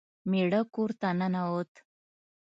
میړه کور ته ننوت.